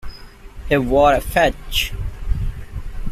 He wore a fez.